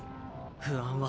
不安は。